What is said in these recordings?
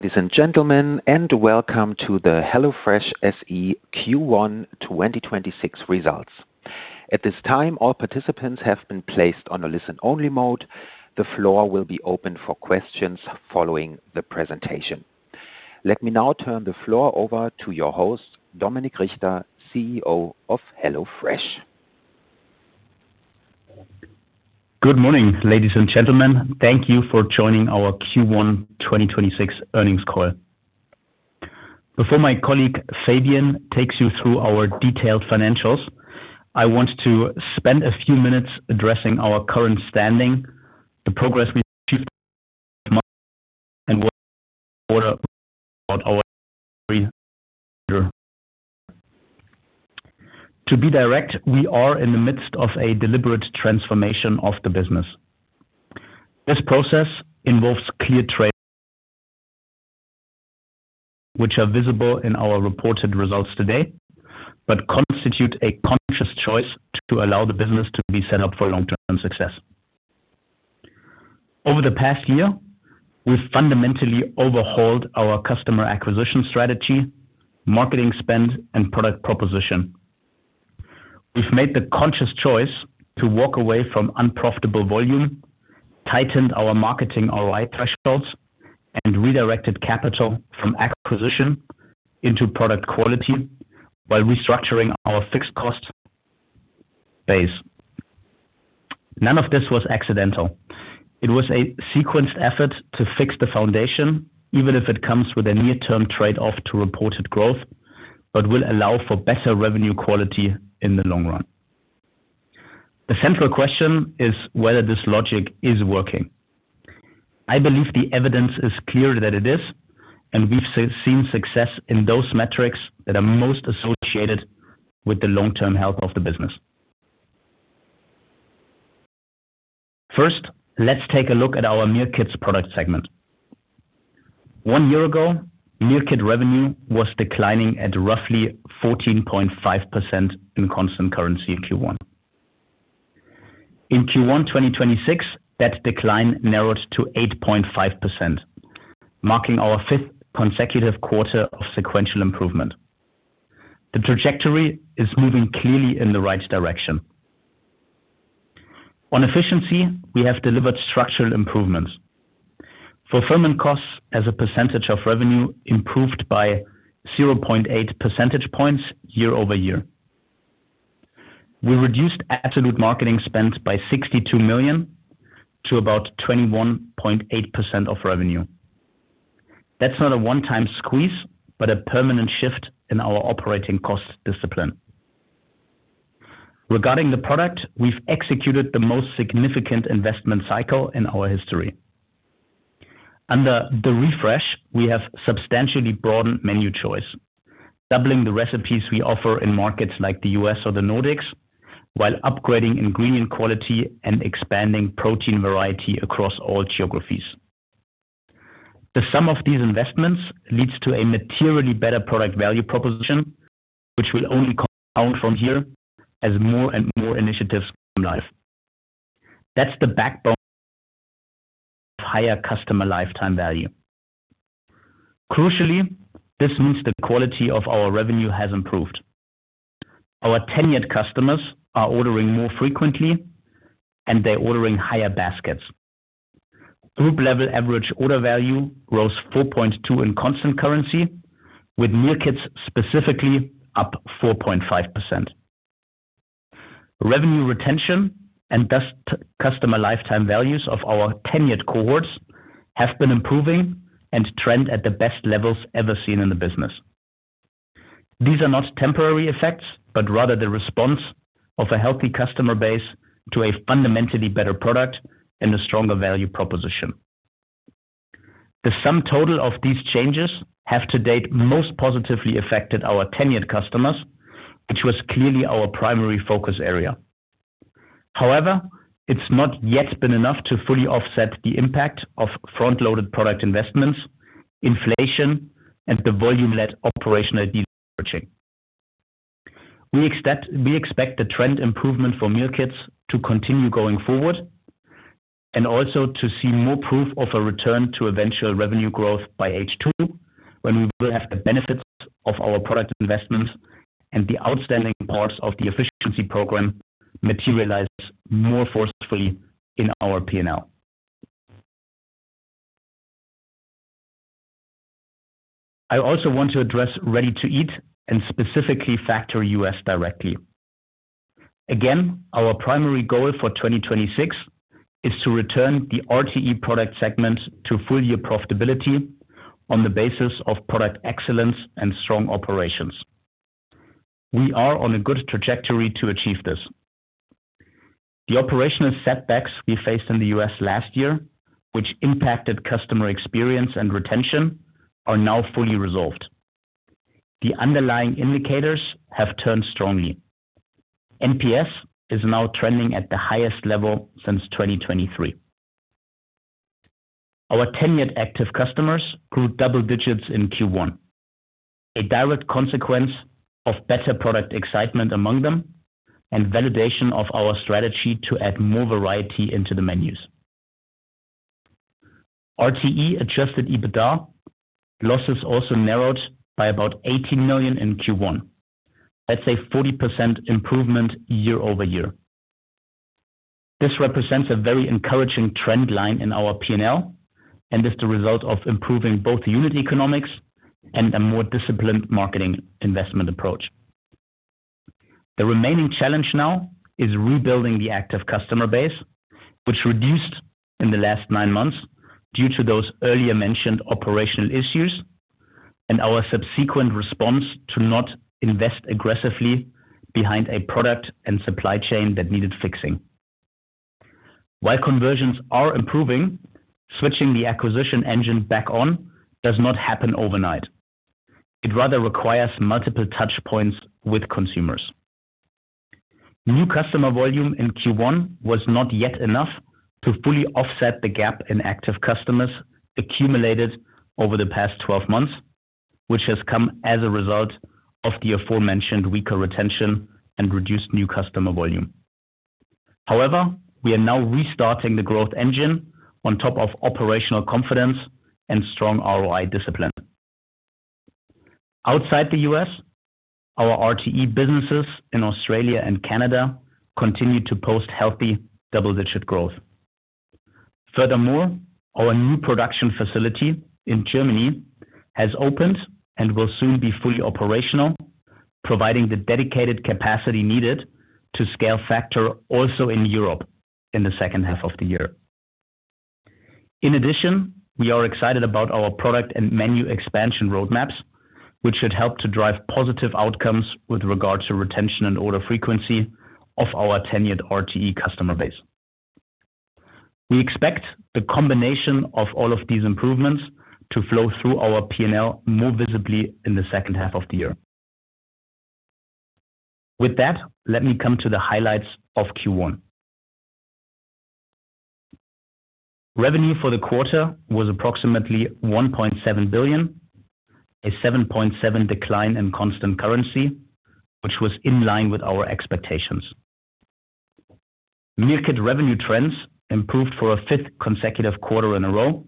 Ladies and gentlemen, welcome to the HelloFresh SE Q1 2026 Results. At this time, all participants have been placed on a listen-only mode. The floor will be open for questions following the presentation. Let me now turn the floor over to your host, Dominik Richter, CEO of HelloFresh. Good morning, ladies and gentlemen. Thank you for joining our Q1 2026 earnings call. Before my colleague, Fabien, takes you through our detailed financials, I want to spend a few minutes addressing our current standing, the progress we've achieved. To be direct, we are in the midst of a deliberate transformation of the business. This process involves clear trade-offs which are visible in our reported results today, but constitute a conscious choice to allow the business to be set up for long-term success. Over the past year, we've fundamentally overhauled our customer acquisition strategy, marketing spend, and product proposition. We've made the conscious choice to walk away from unprofitable volume, tightened our marketing ROI thresholds, and redirected capital from acquisition into product quality while restructuring our fixed cost base. None of this was accidental. It was a sequenced effort to fix the foundation, even if it comes with a near-term trade-off to reported growth, but will allow for better revenue quality in the long run. The central question is whether this logic is working. I believe the evidence is clear that it is, and we've seen success in those metrics that are most associated with the long-term health of the business. First, let's take a look at our Meal Kits product segment. One year ago, Meal Kit revenue was declining at roughly 14.5% in constant currency in Q1. In Q1 2026, that decline narrowed to 8.5%, marking our fifth consecutive quarter of sequential improvement. The trajectory is moving clearly in the right direction. On efficiency, we have delivered structural improvements. Fulfillment costs as a percentage of revenue improved by 0.8 percentage points year-over-year. We reduced absolute marketing spend by 62 million to about 21.8% of revenue. That's not a one-time squeeze, but a permanent shift in our operating cost discipline. Regarding the product, we've executed the most significant investment cycle in our history. Under the ReFresh, we have substantially broadened menu choice, doubling the recipes we offer in markets like the U.S. or the Nordics, while upgrading ingredient quality and expanding protein variety across all geographies. The sum of these investments leads to a materially better product value proposition, which will only compound from here as more and more initiatives come live. That's the backbone of higher customer Lifetime Value. Crucially, this means the quality of our revenue has improved. Our tenured customers are ordering more frequently, and they're ordering higher baskets. Group level average order value rose 4.2 in constant currency, with Meal Kits specifically up 4.5%. Revenue retention and customer lifetime values of our tenured cohorts have been improving and trend at the best levels ever seen in the business. These are not temporary effects, but rather the response of a healthy customer base to a fundamentally better product and a stronger value proposition. The sum total of these changes have to date most positively affected our tenured customers, which was clearly our primary focus area. It's not yet been enough to fully offset the impact of front-loaded product investments, inflation, and the volume-led operational deleveraging. We expect the trend improvement for Meal Kits to continue going forward and also to see more proof of a return to eventual revenue growth by H2, when we will have the benefits of our product investments and the outstanding parts of the efficiency program materialize more forcefully in our P&L. I also want to address Ready-to-Eat and specifically Factor U.S. directly. Again, our primary goal for 2026 is to return the RTE product segment to full year profitability on the basis of product excellence and strong operations. We are on a good trajectory to achieve this. The operational setbacks we faced in the U.S. last year, which impacted customer experience and retention, are now fully resolved. The underlying indicators have turned strongly. NPS is now trending at the highest level since 2023. Our tenured active customers grew double digits in Q1. A direct consequence of better product excitement among them and validation of our strategy to add more variety into the menus. RTE adjusted EBITDA losses also narrowed by about 80 million in Q1. That's a 40% improvement year-over-year. This represents a very encouraging trend line in our P&L and is the result of improving both unit economics and a more disciplined marketing investment approach. The remaining challenge now is rebuilding the active customer base, which reduced in the last nine months due to those earlier mentioned operational issues and our subsequent response to not invest aggressively behind a product and supply chain that needed fixing. While conversions are improving, switching the acquisition engine back on does not happen overnight. It rather requires multiple touchpoints with consumers. New customer volume in Q1 was not yet enough to fully offset the gap in active customers accumulated over the past 12 months, which has come as a result of the aforementioned weaker retention and reduced new customer volume. However, we are now restarting the growth engine on top of operational confidence and strong ROI discipline. Outside the U.S., our RTE businesses in Australia and Canada continue to post healthy double-digit growth. Furthermore, our new production facility in Germany has opened and will soon be fully operational, providing the dedicated capacity needed to scale Factor also in Europe in the second half of the year. In addition, we are excited about our product and menu expansion roadmaps, which should help to drive positive outcomes with regards to retention and order frequency of our tenured RTE customer base. We expect the combination of all of these improvements to flow through our P&L more visibly in the second half of the year. With that, let me come to the highlights of Q1. Revenue for the quarter was approximately 1.7 billion, a 7.7% decline in constant currency, which was in line with our expectations. Meal Kit revenue trends improved for a fifth consecutive quarter in a row,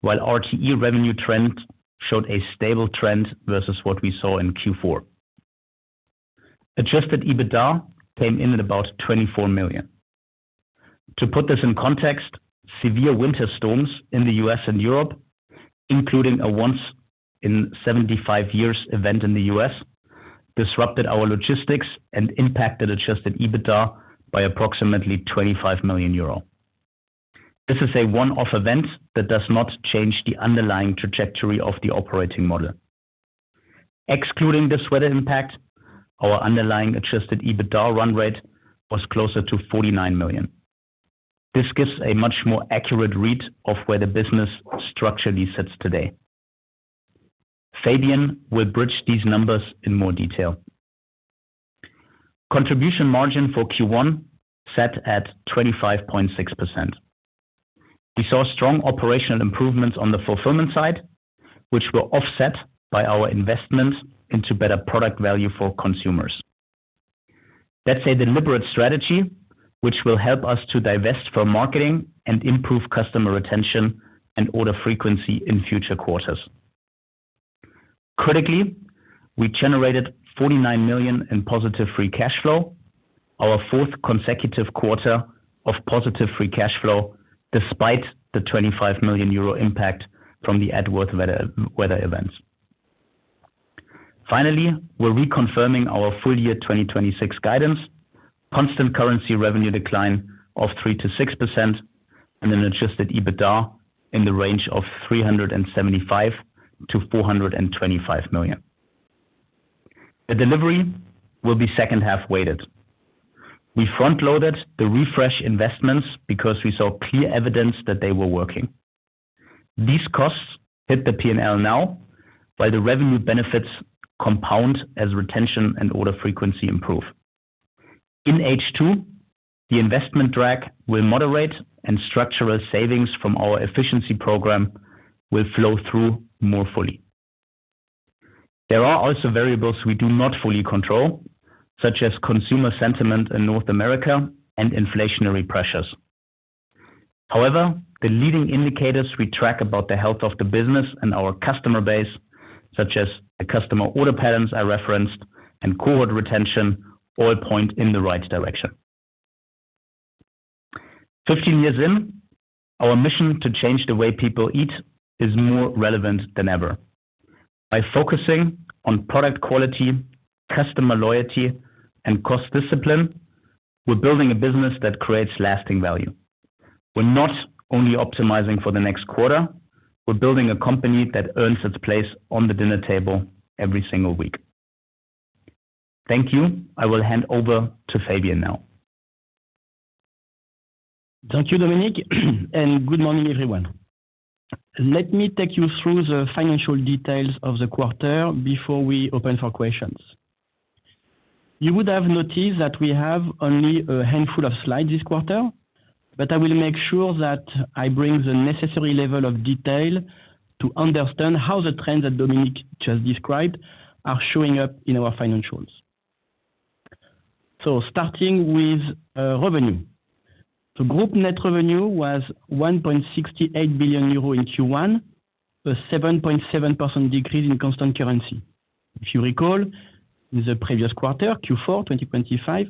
while RTE revenue trends showed a stable trend versus what we saw in Q4. Adjusted EBITDA came in at about 24 million. To put this in context, severe winter storms in the U.S. and Europe, including a once in 75 years event in the U.S., disrupted our logistics and impacted adjusted EBITDA by approximately 25 million euro. This is a one-off event that does not change the underlying trajectory of the operating model. Excluding this weather impact, our underlying adjusted EBITDA run rate was closer to 49 million. This gives a much more accurate read of where the business structurally sits today. Fabien will bridge these numbers in more detail. Contribution margin for Q1 sat at 25.6%. We saw strong operational improvements on the fulfillment side, which were offset by our investments into better product value for consumers. That's a deliberate strategy, which will help us to divest from marketing and improve customer retention and order frequency in future quarters. Critically, we generated 49 million in positive free cash flow, our fourth consecutive quarter of positive free cash flow despite the 25 million euro impact from the adverse weather events. Finally, we're reconfirming our full year 2026 guidance, constant currency revenue decline of 3%-6% and an adjusted EBITDA in the range of 375 million-425 million. The delivery will be second half weighted. We front-loaded the ReFresh investments because we saw clear evidence that they were working. These costs hit the P&L now, while the revenue benefits compound as retention and order frequency improve. In H2, the investment drag will moderate and structural savings from our efficiency program will flow through more fully. There are also variables we do not fully control, such as consumer sentiment in North America and inflationary pressures. However, the leading indicators we track about the health of the business and our customer base, such as the customer order patterns I referenced and cohort retention all point in the right direction. 15 years in, our mission to change the way people eat is more relevant than ever. By focusing on product quality, customer loyalty, and cost discipline, we're building a business that creates lasting value. We're not only optimizing for the next quarter, we're building a company that earns its place on the dinner table every single week. Thank you. I will hand over to Fabien now. Thank you, Dominik, and good morning, everyone. Let me take you through the financial details of the quarter before we open for questions. You would have noticed that we have only a handful of slides this quarter, but I will make sure that I bring the necessary level of detail to understand how the trends that Dominik just described are showing up in our financials. Starting with revenue. Group net revenue was 1.68 billion euro in Q1, a 7.7% decrease in constant currency. If you recall, in the previous quarter, Q4 2025,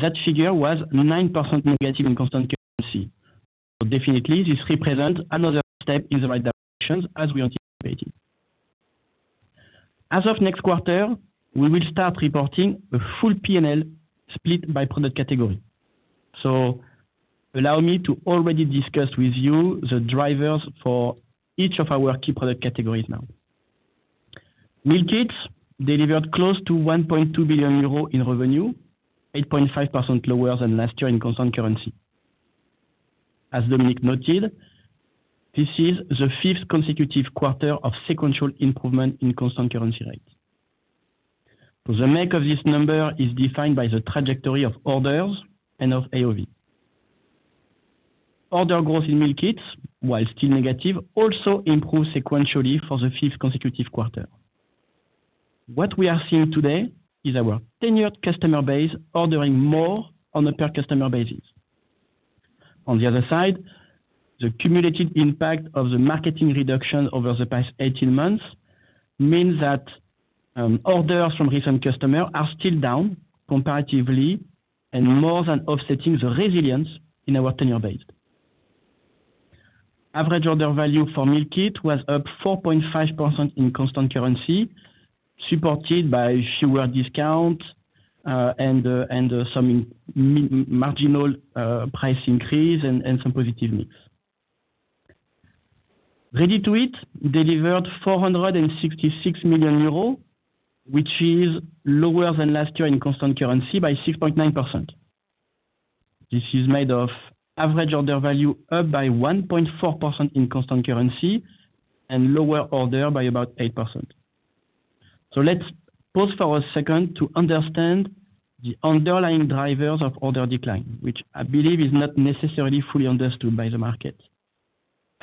that figure was -9% in constant currency. Definitely, this represents another step in the right direction as we anticipated. As of next quarter, we will start reporting a full P&L split by product category. Allow me to already discuss with you the drivers for each of our key product categories now. Meal Kits delivered close to 1.2 billion euros in revenue, 8.5% lower than last year in constant currency. As Dominik noted, this is the fifth consecutive quarter of sequential improvement in constant currency rates. The make of this number is defined by the trajectory of orders and of AOV. Order growth in Meal Kits, while still negative, also improved sequentially for the fifth consecutive quarter. What we are seeing today is our tenured customer base ordering more on a per customer basis. On the other side, the cumulative impact of the marketing reduction over the past 18 months means that orders from recent customer are still down comparatively and more than offsetting the resilience in our tenure base. Average order value for Meal Kit was up 4.5% in constant currency, supported by fewer discount and some marginal price increase and some positive mix. Ready-to-Eat delivered 466 million euros, which is lower than last year in constant currency by 6.9%. This is made of average order value up by 1.4% in constant currency and lower order by about 8%. Let's pause for a second to understand the underlying drivers of order decline, which I believe is not necessarily fully understood by the market.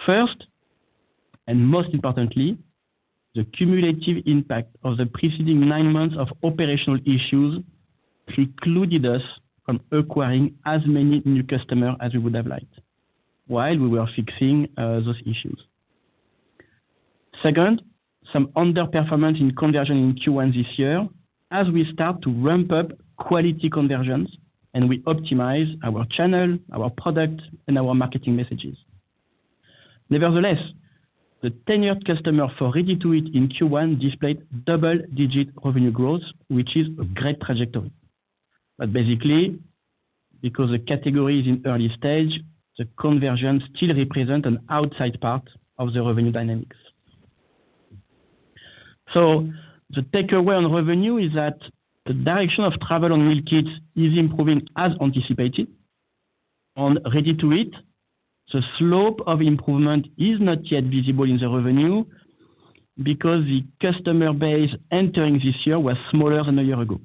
First, and most importantly, the cumulative impact of the preceding nine months of operational issues precluded us from acquiring as many new customer as we would have liked while we were fixing those issues. Second, some underperformance in conversion in Q1 this year as we start to ramp up quality conversions and we optimize our channel, our product, and our marketing messages. Nevertheless, the tenured customer for Ready-to-Eat in Q1 displayed double-digit revenue growth, which is a great trajectory. Basically, because the category is in early stage, the conversion still represent an outside part of the revenue dynamics. The takeaway on revenue is that the direction of travel on Meal Kits is improving as anticipated. On Ready-to-Eat, the slope of improvement is not yet visible in the revenue because the customer base entering this year was smaller than a year ago.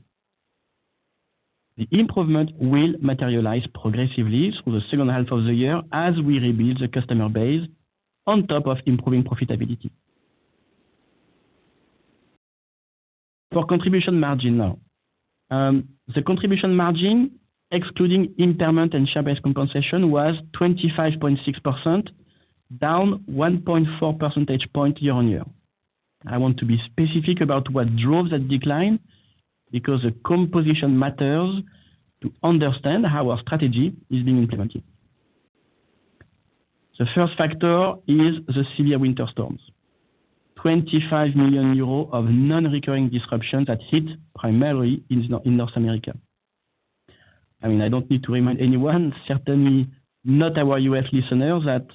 The improvement will materialize progressively through the second half of the year as we rebuild the customer base on top of improving profitability. For contribution margin now. The contribution margin, excluding impairment and share-based compensation, was 25.6%, down 1.4 percentage point year on year. I want to be specific about what drove that decline because the composition matters to understand how our strategy is being implemented. The first factor is the severe winter storms. 25 million euros of non-recurring disruptions that hit primarily in North America. I mean, I don't need to remind anyone, certainly not our U.S. listeners, that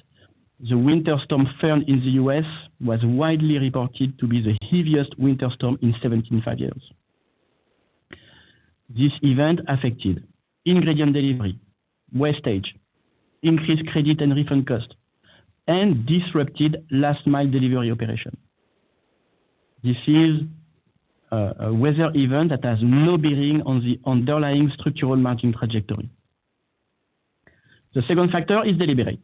the winter storm front in the U.S. was widely reported to be the heaviest winter storm in 75 years. This event affected ingredient delivery, wastage, increased credit and refund cost, and disrupted last mile delivery operation. This is a weather event that has no bearing on the underlying structural margin trajectory. The second factor is deliberate.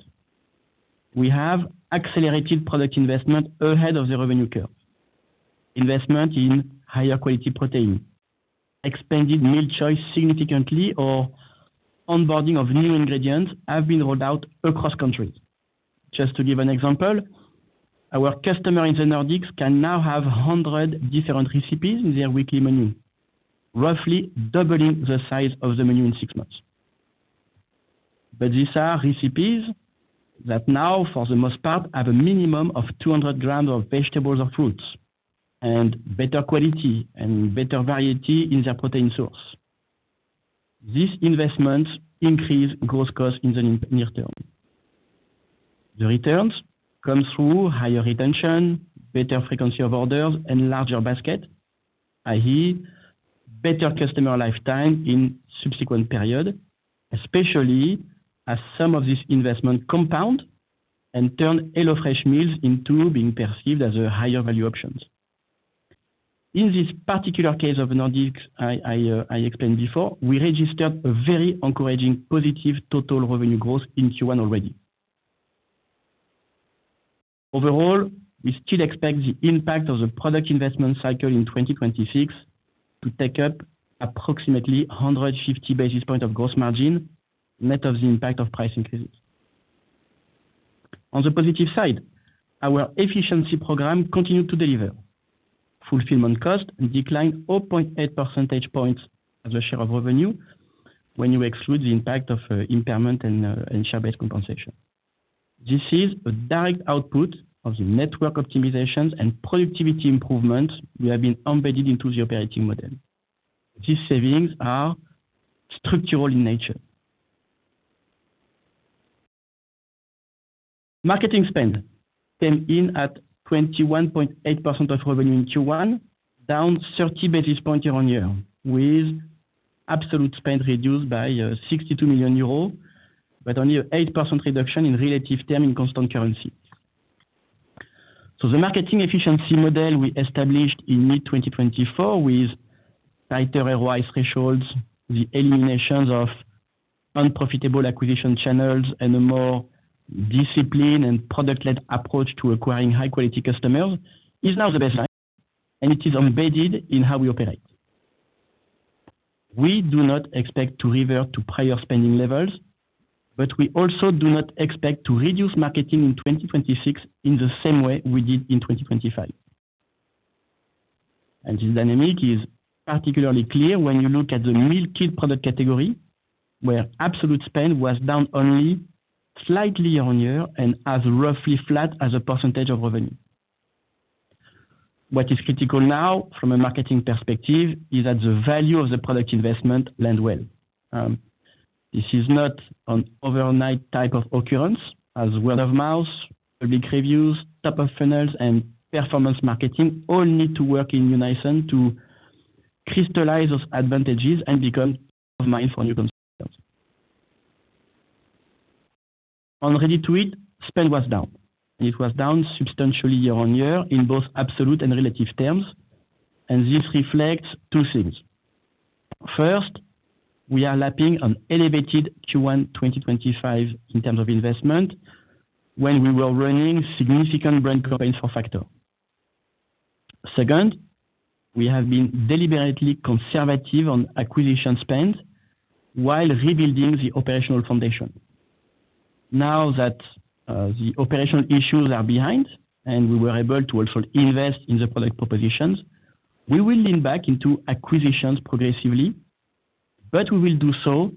We have accelerated product investment ahead of the revenue curve. Investment in higher quality protein, expanded meal choice significantly, or onboarding of new ingredients have been rolled out across countries. Just to give an example, our customer in the Nordics can now have 100 different recipes in their weekly menu, roughly doubling the size of the menu in six months. These are recipes that now, for the most part, have a minimum of 200 grams of vegetables or fruits and better quality and better variety in their protein source. These investments increase gross costs in the near term. The returns come through higher retention, better frequency of orders, and larger basket, i.e., better customer lifetime in subsequent period, especially as some of this investment compound. Turn HelloFresh meals into being perceived as a higher value options. In this particular case of Nordics, I explained before, we registered a very encouraging positive total revenue growth in Q1 already. Overall, we still expect the impact of the product investment cycle in 2026 to take up approximately 150 basis points of gross margin, net of the impact of price increases. On the positive side, our efficiency program continued to deliver. Fulfillment cost declined 0.8 percentage points as a share of revenue when you exclude the impact of impairment and share-based compensation. This is a direct output of the network optimizations and productivity improvements we have been embedded into the operating model. These savings are structural in nature. Marketing spend came in at 21.8% of revenue in Q1, down 30 basis points year on year, with absolute spend reduced by 62 million euros, but only an 8% reduction in relative term in constant currency. The marketing efficiency model we established in mid-2024 with tighter ROI thresholds, the eliminations of unprofitable acquisition channels, and a more disciplined and product-led approach to acquiring high quality customers is now the baseline, and it is embedded in how we operate. We do not expect to revert to prior spending levels, but we also do not expect to reduce marketing in 2026 in the same way we did in 2025. This dynamic is particularly clear when you look at the Meal Kit product category, where absolute spend was down only slightly year on year and as roughly flat as a percentage of revenue. What is critical now from a marketing perspective is that the value of the product investment lend well. This is not an overnight type of occurrence as word of mouth, public reviews, top of funnel, and performance marketing all need to work in unison to crystallize those advantages and become top of mind for new consumers. On Ready-to-Eat, spend was down, and it was down substantially year-on-year in both absolute and relative terms, and this reflects two things. First, we are lapping on elevated Q1 2025 in terms of investment when we were running significant brand campaigns for Factor. Second, we have been deliberately conservative on acquisition spend while rebuilding the operational foundation. Now that the operational issues are behind and we were able to also invest in the product propositions, we will lean back into acquisitions progressively, but we will do so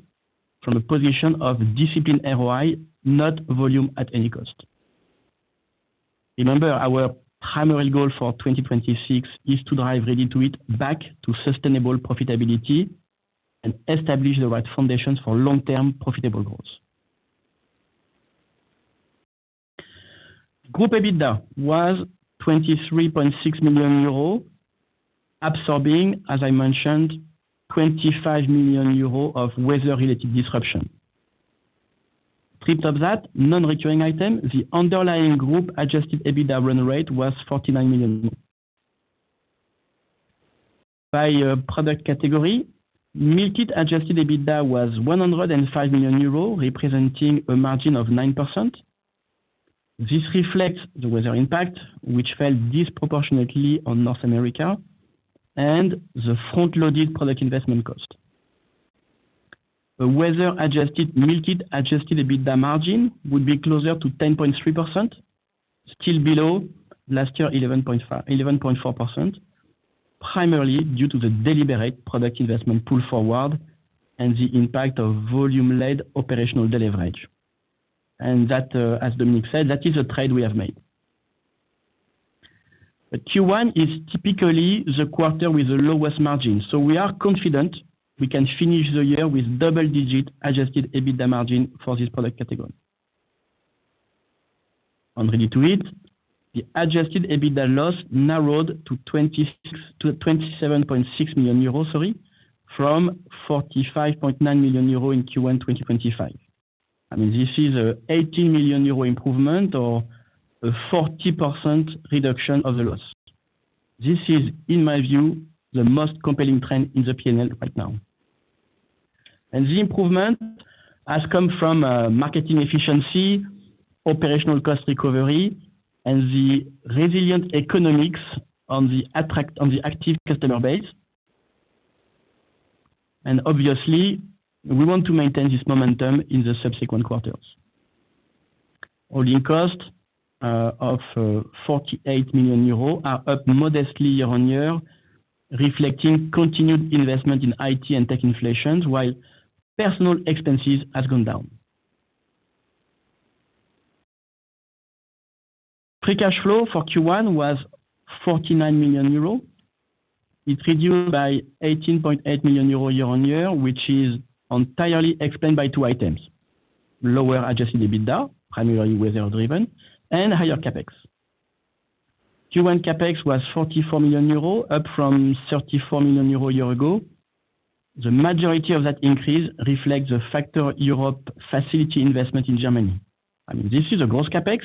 from a position of disciplined ROI, not volume at any cost. Remember, our primary goal for 2026 is to drive Ready-to-Eat back to sustainable profitability and establish the right foundations for long-term profitable growth. Group EBITDA was 23.6 million euros, absorbing, as I mentioned, 25 million euros of weather-related disruption. Stripped of that, non-recurring item, the underlying group adjusted EBITDA run rate was 49 million. By product category, Meal Kit adjusted EBITDA was 105 million euros, representing a margin of 9%. This reflects the weather impact, which fell disproportionately on North America, and the front-loaded product investment cost. The weather-adjusted Meal Kit adjusted EBITDA margin would be closer to 10.3%, still below last year 11.4%, primarily due to the deliberate product investment pull forward and the impact of volume-led operational deleverage. That, as Dominik said, that is a trade we have made. The Q1 is typically the quarter with the lowest margin, so we are confident we can finish the year with double-digit adjusted EBITDA margin for this product category. On Ready-to-Eat, the adjusted EBITDA loss narrowed to 27.6 million euros, sorry, from 45.9 million euros in Q1 2025. I mean, this is a 18 million euro improvement or a 40% reduction of the loss. This is, in my view, the most compelling trend in the P&L right now. The improvement has come from marketing efficiency, operational cost recovery, and the resilient economics on the active customer base. Obviously, we want to maintain this momentum in the subsequent quarters. All-in costs of 48 million euros are up modestly year on year, reflecting continued investment in IT and tech inflations, while personal expenses has gone down. Free cash flow for Q1 was 49 million euros. It reduced by 18.8 million euros year on year, which is entirely explained by two items: lower adjusted EBITDA, primarily weather driven, and higher CapEx. Q1 CapEx was 44 million euros, up from 34 million euros a year ago. The majority of that increase reflects the Factor Europe facility investment in Germany. This is a gross CapEx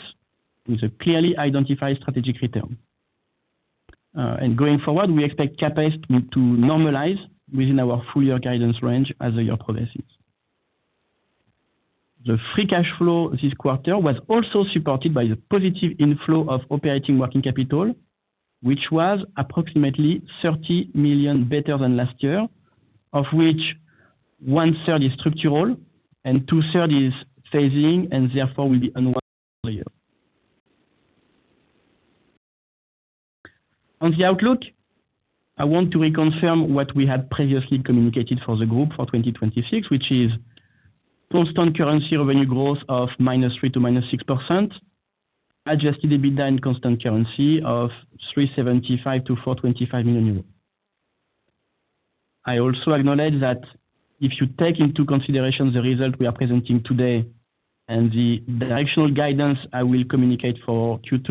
with a clearly identified strategic return. Going forward, we expect CapEx to normalize within our full-year guidance range as the year progresses. The free cash flow this quarter was also supported by the positive inflow of operating working capital, which was approximately 30 million better than last year, of which one-third is structural and two-thirds is phasing and therefore will be unwinds for you. On the outlook, I want to reconfirm what we had previously communicated for the group for 2026, which is constant currency revenue growth of -3%to -6%, adjusted EBITDA in constant currency of 375 million to 425 million euros. I also acknowledge that if you take into consideration the result we are presenting today and the directional guidance I will communicate for Q2,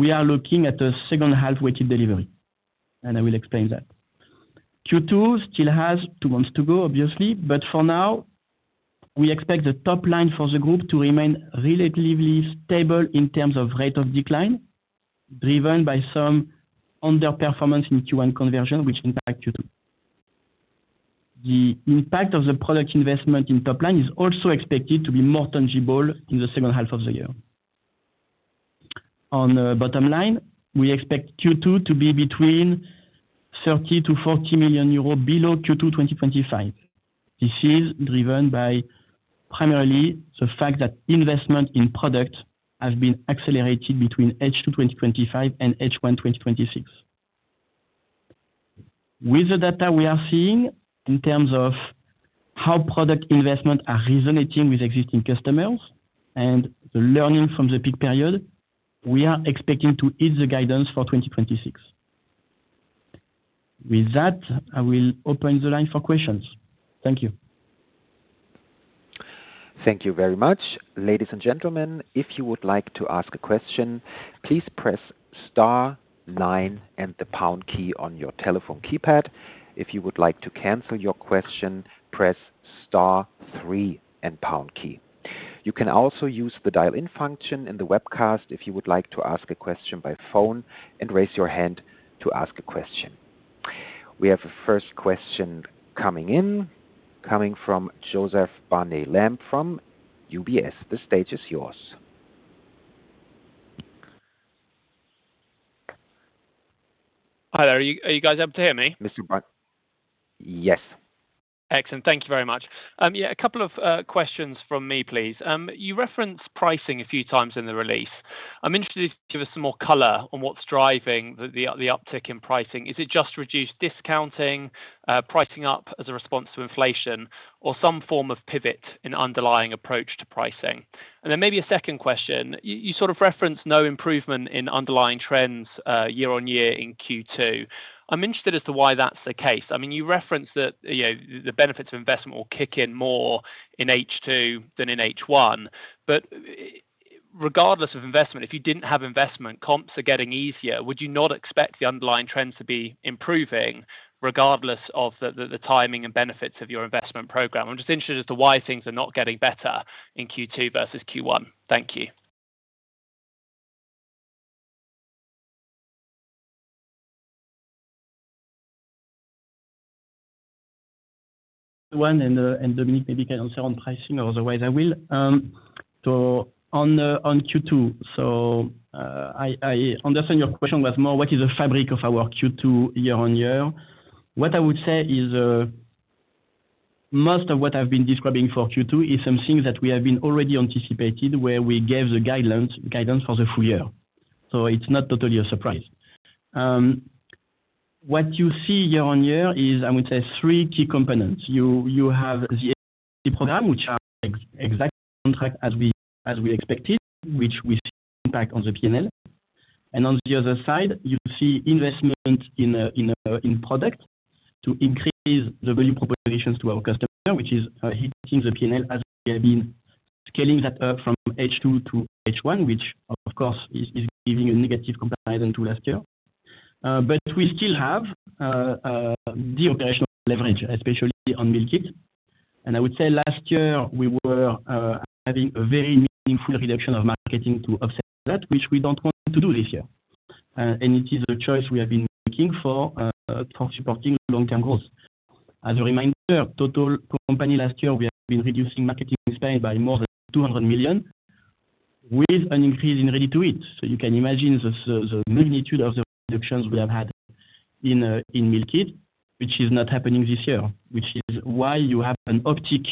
we are looking at a second half weighted delivery, and I will explain that. Q2 still has two months to go, obviously, but for now, we expect the top line for the group to remain relatively stable in terms of rate of decline, driven by some underperformance in Q1 conversion which impact Q2. The impact of the product investment in top line is also expected to be more tangible in the second half of the year. On the bottom line, we expect Q2 to be between 30 million-40 million euros below Q2 2025. This is driven by primarily the fact that investment in product has been accelerated between H2 2025 and H1 2026. With the data we are seeing in terms of how product investment are resonating with existing customers and the learning from the peak period, we are expecting to hit the guidance for 2026. With that, I will open the line for questions. Thank you. Thank you very much. Ladies and gentlemen, if you would like to ask a question, please press star nine and the pound key on your telephone keypad. If you would like to cancel your question, press star three and pound key. You can also use the dial-in function in the webcast if you would like to ask a question by phone and raise your hand to ask a question. We have a first question coming in, coming from Joseph Barnet-Lamb from UBS. The stage is yours. Hi there. Are you guys able to hear me? Yes, we can. Yes. Excellent. Thank you very much. A couple of questions from me, please. You referenced pricing a few times in the release. I'm interested if you could give us some more color on what's driving the uptick in pricing. Is it just reduced discounting, pricing up as a response to inflation or some form of pivot in underlying approach to pricing? Then maybe a second question. You sort of referenced no improvement in underlying trends year-on-year in Q2. I'm interested as to why that's the case. I mean, you referenced that, you know, the benefits of investment will kick in more in H2 than in H1. Regardless of investment, if you didn't have investment, comps are getting easier. Would you not expect the underlying trends to be improving regardless of the timing and benefits of your investment program? I'm just interested as to why things are not getting better in Q2 versus Q1. Thank you. One. Dominik maybe can answer on pricing, otherwise I will. On Q2. I understand your question was more what is the fabric of our Q2 year-on-year. What I would say is, most of what I've been describing for Q2 is something that we have been already anticipated, where we gave the guidance for the full year. It's not totally a surprise. What you see year-on-year is, I would say, three key components. You have the program, which are exactly contract as we expected, which we see impact on the P&L. On the other side, you see investment in product to increase the value propositions to our customer, which is hitting the P&L as we have been scaling that up from H2 to H1, which of course is giving a negative comparison to last year. We still have the operational leverage, especially on Meal Kit. I would say last year, we were having a very meaningful reduction of marketing to offset that, which we don't want to do this year. It is a choice we have been making for supporting long-term growth. As a reminder, total company last year, we have been reducing marketing spend by more than 200 million with an increase in Ready-to-Eat. You can imagine the magnitude of the reductions we have had in Meal Kit, which is not happening this year, which is why you have an uptick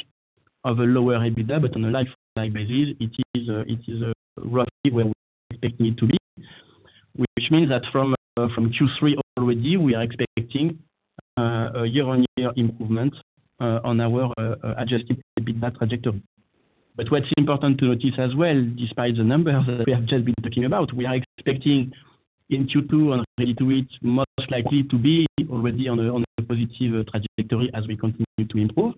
of a lower EBITDA, but on a like-for-like basis, it is, uh, roughly where we expect it to be. That from Q3 already, we are expecting a year-on-year improvement on our adjusted EBITDA trajectory. What's important to notice as well, despite the numbers that we have just been talking about, we are expecting in Q2 on Ready-to-Eat most likely to be already on a positive trajectory as we continue to improve.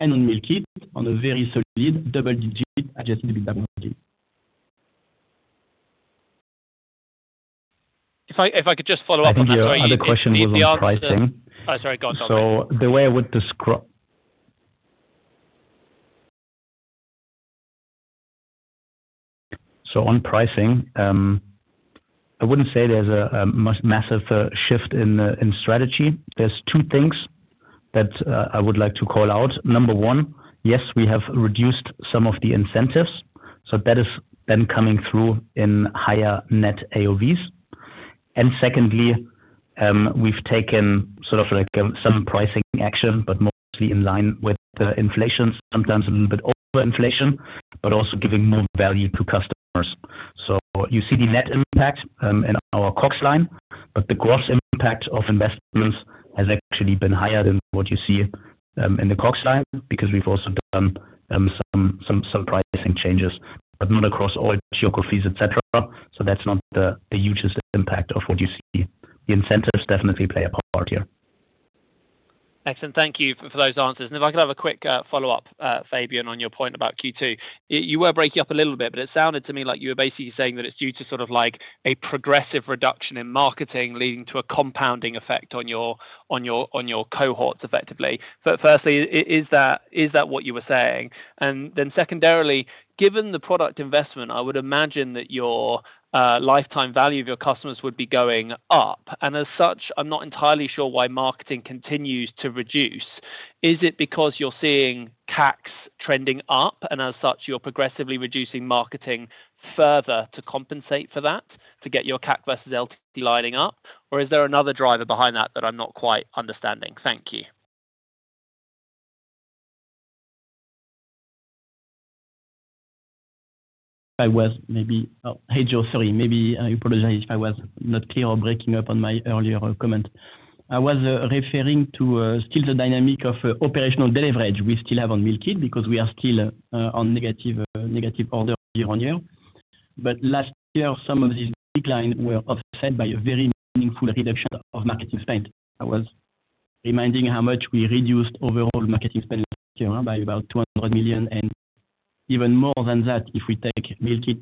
On Meal Kit, on a very solid double-digit adjusted EBITDA margin. If I could just follow up on that very quickly, please. I think your other question was on pricing. Oh, sorry, go on, go on. On pricing, I wouldn't say there's a massive shift in strategy. There's two things that I would like to call out. Number 1, yes, we have reduced some of the incentives, so that is then coming through in higher net AOVs. Secondly, we've taken sort of like some pricing action, but mostly in line with the inflation, sometimes a little bit over inflation, but also giving more value to customers. You see the net impact in our COGS line, but the gross impact of investments has actually been higher than what you see in the COGS line because we've also done some pricing changes, but not across all geographies, et cetera. That's not the hugest impact of what you see. The incentives definitely play a part here. Excellent. Thank you for those answers. If I could have a quick follow-up, Fabien, on your point about Q2. You were breaking up a little bit, but it sounded to me like you were basically saying that it's due to sort of like a progressive reduction in marketing leading to a compounding effect on your cohorts, effectively. Firstly, is that what you were saying? Secondarily, given the product investment, I would imagine that your lifetime value of your customers would be going up. As such, I'm not entirely sure why marketing continues to reduce. Is it because you're seeing CACs trending up, and as such, you're progressively reducing marketing further to compensate for that to get your CAC versus LTV lining up? Is there another driver behind that that I'm not quite understanding? Thank you. I was maybe Oh, hey, Joe. Sorry. Maybe I apologize if I was not clear or breaking up on my earlier comment. I was referring to still the dynamic of operational leverage we still have on Meal Kit because we are still on negative negative order year-on-year. Last year, some of this decline were offset by a very meaningful reduction of marketing spend. I was reminding how much we reduced overall marketing spend last year by about 200 million, and even more than that, if we take Meal Kit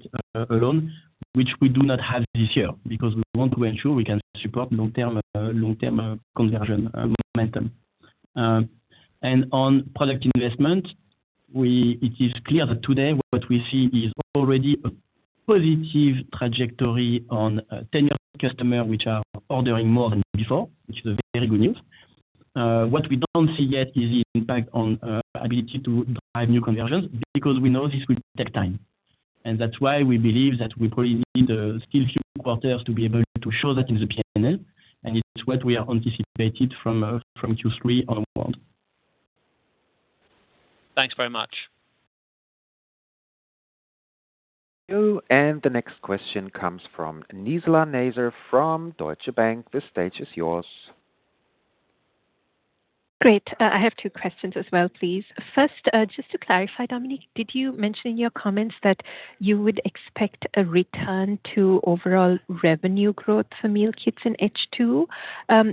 alone, which we do not have this year because we want to ensure we can support long-term, long-term, conversion momentum. On product investment, it is clear that today what we see is already a positive trajectory on tenure customer which are ordering more than before, which is a very good news. What we don't see yet is the impact on ability to drive new conversions because we know this will take time. That's why we believe that we probably need still few quarters to be able to show that in the P&L, and it's what we are anticipated from Q3 onward. Thanks very much. Thank you. The next question comes from Nizla Naizer from Deutsche Bank. The stage is yours. Great. I have two questions as well, please. First, just to clarify, Dominik, did you mention in your comments that you would expect a return to overall revenue growth for Meal Kits in H2,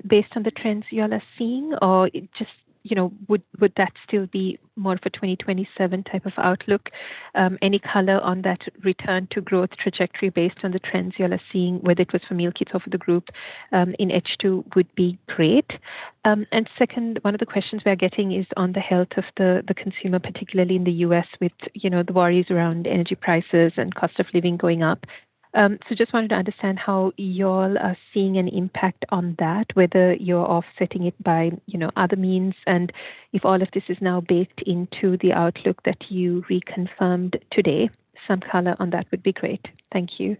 based on the trends y'all are seeing? Or just, you know, would that still be more of a 2027 type of outlook? Any color on that return to growth trajectory based on the trends y'all are seeing, whether it was for Meal Kits of the group, in H2 would be great. Second, one of the questions we are getting is on the health of the consumer, particularly in the U.S. with, you know, the worries around energy prices and cost of living going up. Just wanted to understand how y'all are seeing an impact on that, whether you're offsetting it by, you know, other means, and if all of this is now baked into the outlook that you reconfirmed today. Some color on that would be great. Thank you.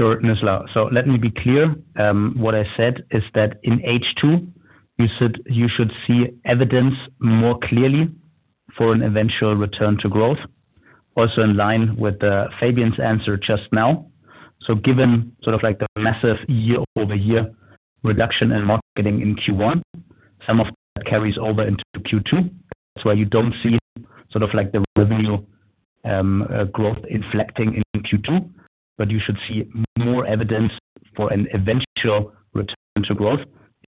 Sure, Nizla. Let me be clear. What I said is that in H2, you should see evidence more clearly for an eventual return to growth. Also in line with Fabien's answer just now. Given sort of like the massive year-over-year reduction in marketing in Q1, some of that carries over into Q2. That's why you don't see sort of like the revenue growth inflecting in Q2, but you should see more evidence for an eventual return to growth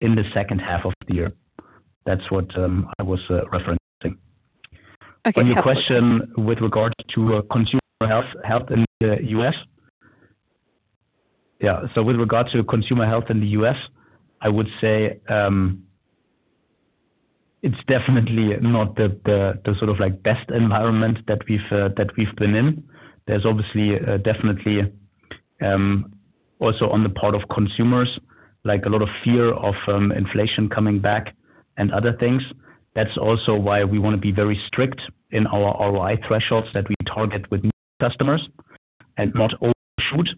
in the second half of the year. That's what I was referencing. Okay. On your question with regards to consumer health in the U.S. Yeah. With regards to consumer health in the U.S., I would say it's definitely not the sort of like best environment that we've been in. There's obviously definitely also on the part of consumers, like a lot of fear of inflation coming back and other things. That's also why we wanna be very strict in our ROI thresholds that we target with new customers and not overshoot,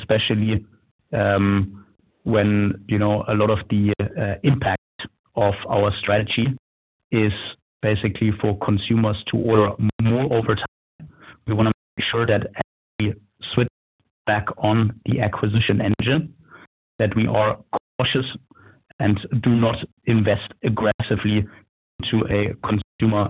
especially when, you know, a lot of the impact of our strategy is basically for consumers to order more over time. We wanna make sure that as we switch back on the acquisition engine, that we are cautious and do not invest aggressively into a consumer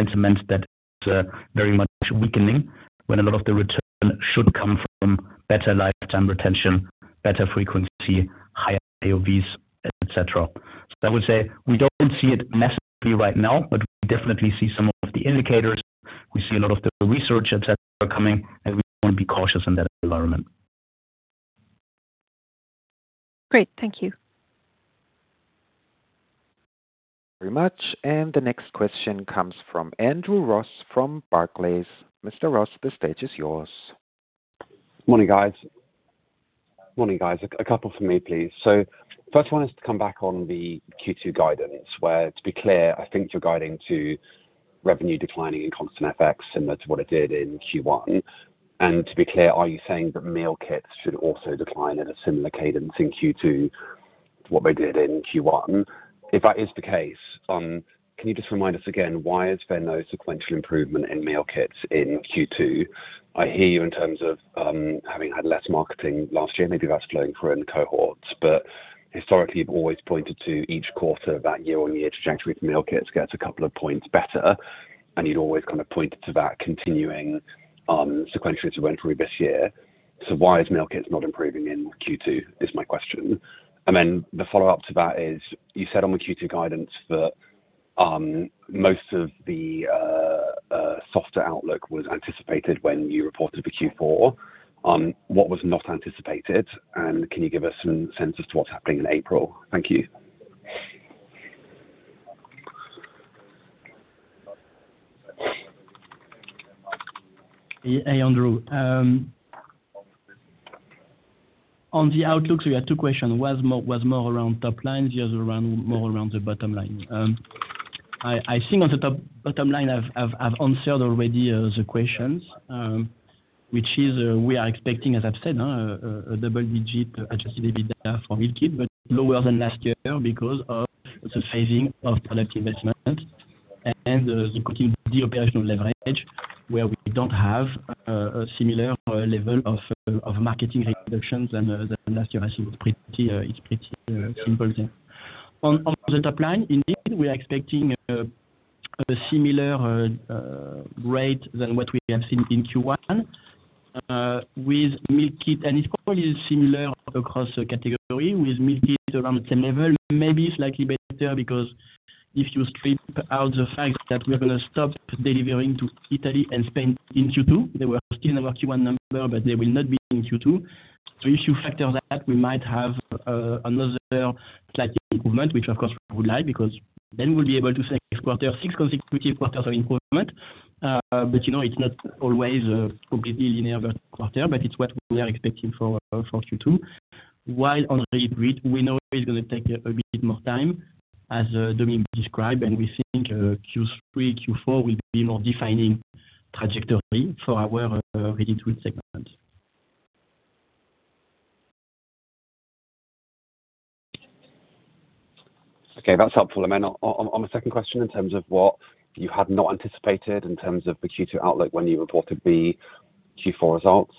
sentiment that is very much weakening when a lot of the return should come from better lifetime retention, better frequency, higher AOV, et cetera. I would say we don't see it necessarily right now, but we definitely see some of the indicators. We see a lot of the research, et cetera, coming, and we wanna be cautious in that environment. Great. Thank you. Very much. The next question comes from Andrew Ross from Barclays. Mr. Ross, the stage is yours. Morning, guys. Morning, guys. A couple from me, please. First one is to come back on the Q2 guidance, where, to be clear, I think you're guiding to revenue declining in constant FX, similar to what it did in Q1. To be clear, are you saying that Meal Kits should also decline at a similar cadence in Q2 to what they did in Q1? If that is the case, can you just remind us again, why has there been no sequential improvement in Meal Kits in Q2? I hear you in terms of having had less marketing last year, maybe that's flowing through in cohorts. Historically, you've always pointed to each quarter that year-on-year trajectory for Meal Kits gets a couple of points better, and you'd always kind of pointed to that continuing sequentially through this year. Why is Meal Kits not improving in Q2 is my question. The follow-up to that is, you said on the Q2 guidance that most of the softer outlook was anticipated when you reported the Q4. What was not anticipated? Can you give us some sense as to what's happening in April? Thank you. Hey, Andrew. On the outlook, you had two questions. One is more around top line, the other more around the bottom line. I think on the bottom line, I've answered already the questions, which is we are expecting, as I've said, a double-digit adjusted EBITDA for Meal Kit, but lower than last year because of the phasing of product investment and the continued de-operational leverage, where we don't have a similar level of marketing reductions than last year. I think it's pretty simple, yeah. On the top line, indeed, we are expecting a similar rate than what we have seen in Q1 with Meal Kit. It's probably similar across the category with meal kit around the same level, maybe slightly better because if you strip out the fact that we're gonna stop delivering to Italy and Spain in Q2, they were still in our Q1 number, but they will not be in Q2. If you factor that, we might have another slight improvement, which, of course, we would like because then we'll be able to say six consecutive quarters of improvement. You know, it's not always completely linear by quarter, but it's what we are expecting for Q2. On Ready-to-Eat, we know it's gonna take a bit more time, as Dominik described, and we think Q3, Q4 will be more defining trajectory for our Ready-to-Eat segment. Okay, that's helpful. Then on the second question, in terms of what you had not anticipated in terms of the Q2 outlook when you reported the Q4 results.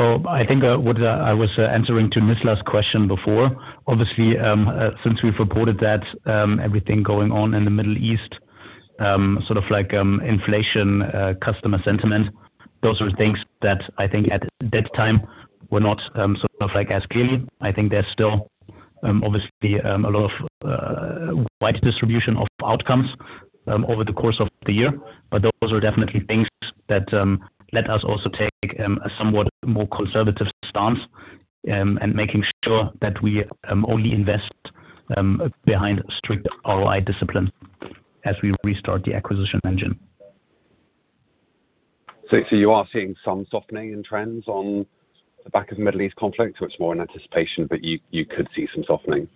I think what I was answering to this last question before. Obviously, since we've reported that, everything going on in the Middle East, sort of like inflation, customer sentiment, those are things that I think at that time were not sort of like as clear. I think there's still obviously a lot of wide distribution of outcomes over the course of the year. Those are definitely things that let us also take a somewhat more conservative stance and making sure that we only invest behind strict ROI discipline as we restart the acquisition engine. You are seeing some softening in trends on the back of the Middle East conflict, or it's more in anticipation, but you could see some softening?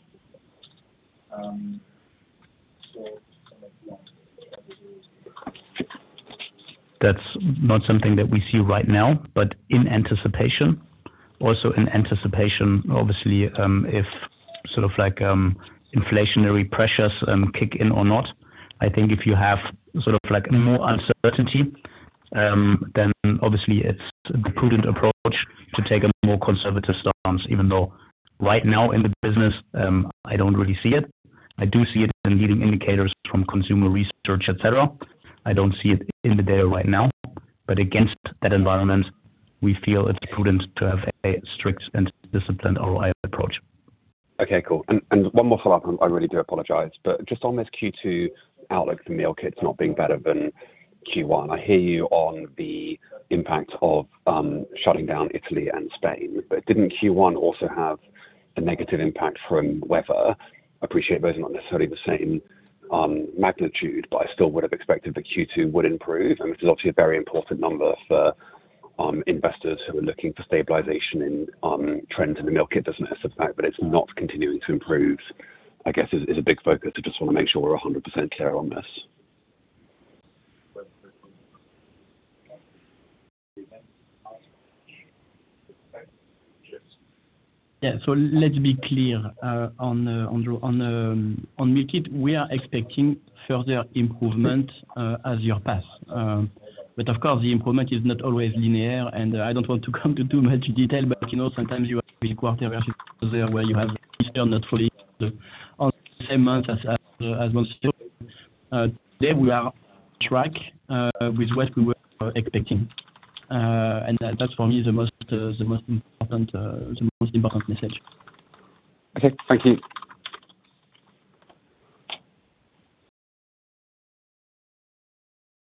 That's not something that we see right now, but in anticipation. In anticipation, obviously, if sort of like inflationary pressures kick in or not. I think if you have sort of like more uncertainty, then obviously it's a prudent approach to take a more conservative stance, even though right now in the business, I don't really see it. I do see it in leading indicators from consumer research, et cetera. I don't see it in the data right now, but against that environment, we feel it's prudent to have a strict and disciplined ROI approach. Okay, cool. One more follow-up. I really do apologize. Just on this Q2 outlook for Meal Kits not being better than Q1, I hear you on the impact of shutting down Italy and Spain. Didn't Q1 also have a negative impact from weather? I appreciate those are not necessarily the same magnitude, but I still would have expected the Q2 would improve. I mean, this is obviously a very important number for investors who are looking for stabilization in trends in the Meal Kit business as a fact, but it's not continuing to improve, I guess, is a big focus. I just wanna make sure we're 100% clear on this. Yeah. Let's be clear, on Meal Kit, we are expecting further improvement, as year pass. Of course, the improvement is not always linear, and I don't want to come to too much detail, but, you know, sometimes you have a big quarter where you close there, where you have not fully on the same month as monster. There we are on track with what we were expecting. That's for me, the most important message. Okay. Thank you.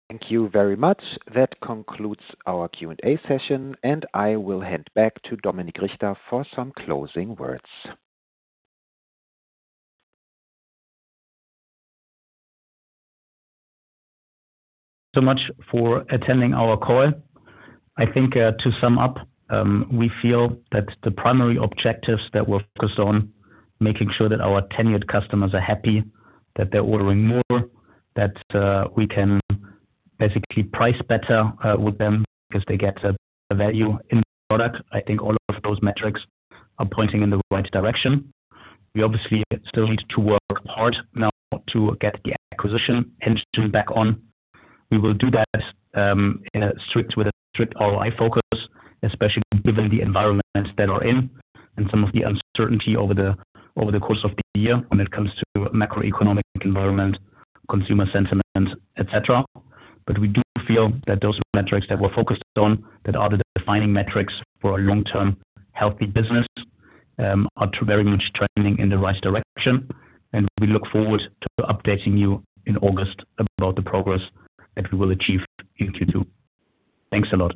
Thank you very much. That concludes our Q&A session, and I will hand back to Dominik Richter for some closing words. Thank you soMuch for attending our call. I think, to sum up, we feel that the primary objectives that we're focused on, making sure that our tenured customers are happy, that they're ordering more, that we can basically price better with them because they get a value in the product. I think all of those metrics are pointing in the right direction. We obviously still need to work hard now to get the acquisition engine back on. We will do that with a strict ROI focus, especially given the environments that are in and some of the uncertainty over the course of the year when it comes to macroeconomic environment, consumer sentiment, et cetera. We do feel that those metrics that we're focused on that are the defining metrics for a long-term healthy business are very much trending in the right direction. We look forward to updating you in August about the progress that we will achieve in Q2. Thanks a lot.